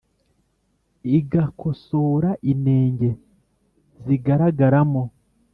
igakosora inenge zigaragaramo